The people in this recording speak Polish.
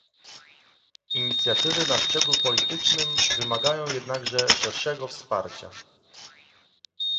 Inicjatywy na szczeblu politycznym wymagają jednakże szerszego wsparcia